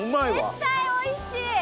絶対おいしい！